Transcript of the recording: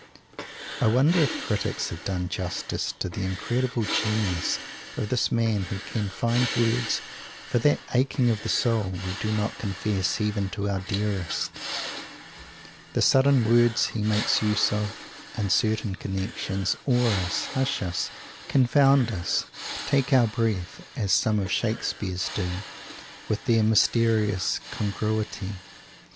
I wonder if critics have done justice to the incredible genius of this man who can find words for that aching of the soul we do not confess even to our dearest? The sudden words he makes use of, in certain connections, awe us, hush us, confound us, take our breath, as some of Shakespeare's do with their mysterious congruity.